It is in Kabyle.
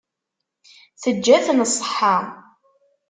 Teǧǧa-ten ṣṣeḥḥa.